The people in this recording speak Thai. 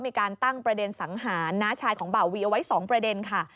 มีการตั้งประเด็นสังหารน้าชายของบ่าวีเอาไว้๒ประเด็นค่ะ